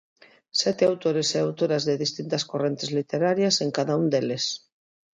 Sete autores e autoras de distintas correntes literarias en cada un deles.